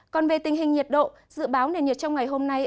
còn về tình hình nhiệt độ dự báo nền nhiệt trong ngày hôm nay